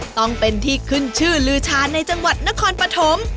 ต้องเป็นที่ขึ้นชื่อลือชาในจังหวัดนครปฐม